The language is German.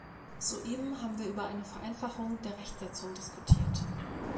Soeben haben wir über eine Vereinfachung der Rechtsetzung diskutiert.